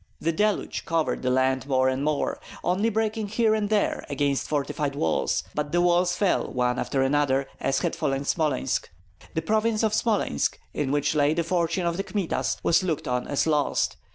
The deluge covered the land more and more, only breaking here and there against fortified walls; but the walls fell one after another, as had fallen Smolensk. The province of Smolensk, in which lay the fortune of the Kmitas, was looked on as lost.